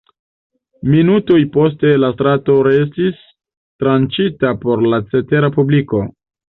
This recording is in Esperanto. Minutoj poste la strato restis tranĉita por la cetera publiko.